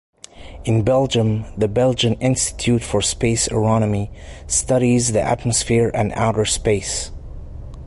In Belgium, the Belgian Institute for Space Aeronomy studies the atmosphere and outer space.